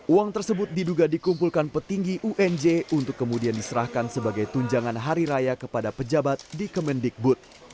uang tersebut diduga dikumpulkan petinggi unj untuk kemudian diserahkan sebagai tunjangan hari raya kepada pejabat di kemendikbud